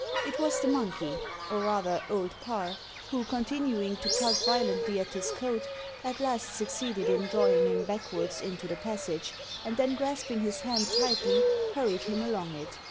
It was the monkey or rather Old Parr who, continuing to tug violently at his coat, at last succeeded in drawing him backwards into the passage, and then grasping his hand tightly, hurried him along it.